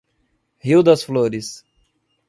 Rio das Flores